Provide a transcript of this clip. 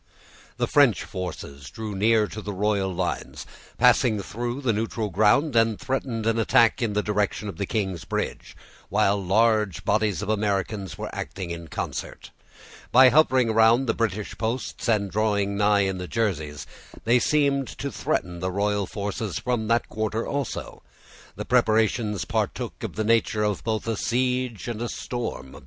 The French forces drew near to the royal lines, passing through the neutral ground, and threatened an attack in the direction of King's Bridge, while large bodies of Americans were acting in concert. By hovering around the British posts, and drawing nigh in the Jerseys, they seemed to threaten the royal forces from that quarter also. The preparations partook of the nature of both a siege and a storm.